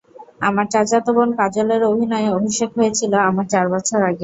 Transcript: আমার চাচাতো বোন কাজলের অভিনয় অভিষেক হয়েছিল আমার চার বছর আগে।